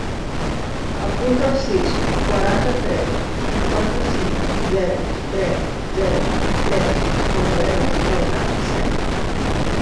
Apunta el sis, quaranta-tres, cinquanta-cinc, zero, tres, zero, tres com a telèfon del Drac Sena.